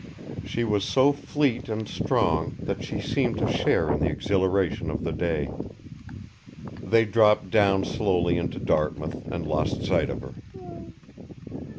She was so fleet and strong that she seemed to share in the exhilaration of the day. They dropped down slowly into Dartmouth and lost sight of her.